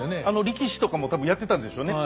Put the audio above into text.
力士とかも多分やってたんでしょうね。